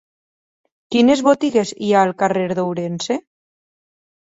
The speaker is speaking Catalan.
Quines botigues hi ha al carrer d'Ourense?